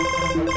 udah jam empat